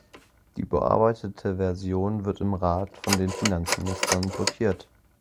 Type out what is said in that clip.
Die überarbeitete Version wird im Rat von den Finanzministern blockiert.